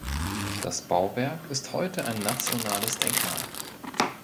Das Bauwerk ist heute ein nationales Denkmal.